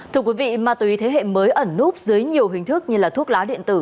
thưa quý vị ma túy thế hệ mới ẩn núp dưới nhiều hình thức như là thuốc lá điện tử